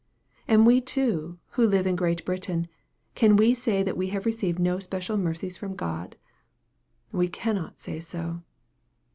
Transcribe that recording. And we too, who live in Great Britain, can we say that we have received no special mercies from God ? We cannot say so.